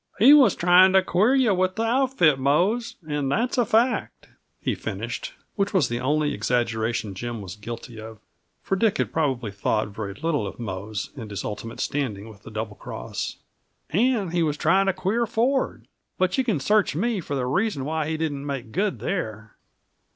"He was trying to queer you with the outfit, Mose, and that's a fact," he finished; which was the only exaggeration Jim was guilty of, for Dick had probably thought very little of Mose and his ultimate standing with the Double Cross. "And he was trying to queer Ford but you can search me for the reason why he didn't make good, there."